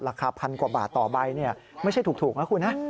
ราคา๑๐๐๐กว่าบาทต่อใบนี่ไม่ใช่ถูกนะคุณฮะ